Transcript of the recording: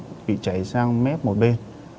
bệnh nhân bị chảy sang mép một bên